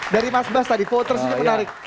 dari mas bas tadi puter sih menarik